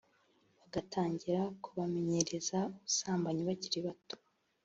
bagatangira kubamenyereza ubusambanyi bakiri bato